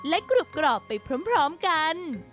และกรุบกรอบไปพร้อมกัน